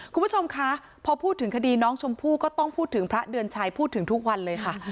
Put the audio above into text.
คุณผู้ชมคะพอพูดถึงคดีน้องชมพู่ก็ต้องพูดถึงพระเดือนชัยพูดถึงทุกวันเลยค่ะ